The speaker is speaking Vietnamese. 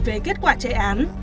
về kết quả chạy án